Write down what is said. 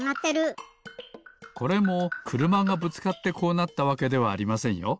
これもくるまがぶつかってこうなったわけではありませんよ。